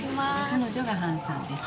彼女がハンさんです。